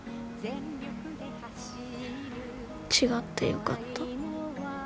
違ってよかった。